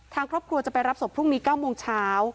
ทางครอบครัวจะไปรับศพพรุ่งนี้๙โมงเช้า